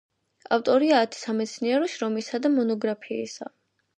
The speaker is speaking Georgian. ავტორია ათი სამეცნიერო შრომისა და მონოგრაფიისა.